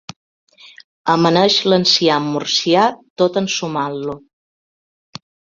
Amaneix l'enciam murcià tot ensumant-lo.